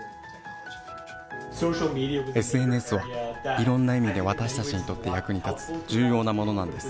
ＳＮＳは、いろんな意味で私たちにとって役に立つ重要なものなのです。